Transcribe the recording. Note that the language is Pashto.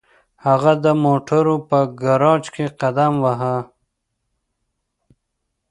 هغه د موټرو په ګراج کې قدم واهه